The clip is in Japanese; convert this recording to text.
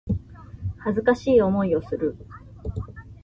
恥ずかしい思いをする